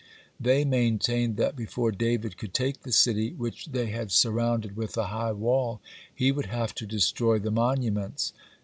(51) They maintained that before David could take the city, which they had surrounded with a high wall, he would have to destroy the monuments.